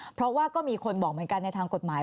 เพราะว่าก็มีคนบอกเหมือนกันในทางกฎหมาย